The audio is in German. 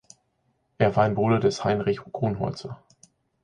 Er war ein Bruder des Heinrich Grunholzer.